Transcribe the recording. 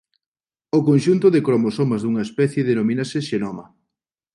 O conxunto de cromosomas dunha especie denomínase xenoma.